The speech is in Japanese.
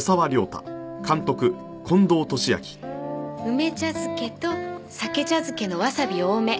梅茶漬けと鮭茶漬けのわさび多め。